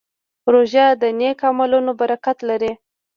روژه د نیک عملونو برکت لري.